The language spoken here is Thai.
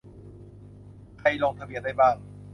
ใครลงทะเบียนได้บ้าง